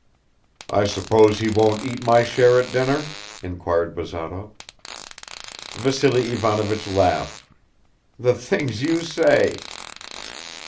"I suppose he won't eat my share at dinner?" inquired Bazarov. Vassily Ivanovich laughed. "The things you say!"